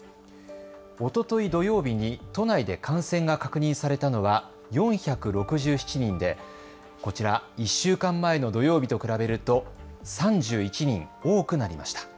おととい土曜日に都内で感染が確認されたのは４６７人でこちら、１週間前の土曜日と比べると３１人多くなりました。